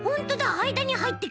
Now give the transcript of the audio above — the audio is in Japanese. あいだにはいってく。